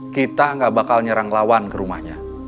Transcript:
kita nggak bakal nyerang lawan ke rumahnya